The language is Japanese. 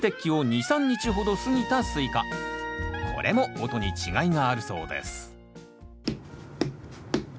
こちらはこれも音に違いがあるそうです